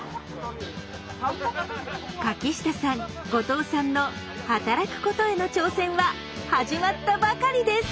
柿下さん後藤さんの働くことへの挑戦は始まったばかりです。